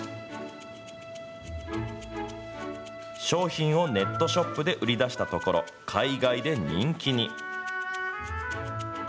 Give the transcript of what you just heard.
商品をネットショップで売り出したところ、海外で人気に。